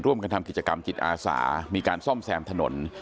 ทำกิจกรรมจิตอาสามีการซ่อมแซมถนน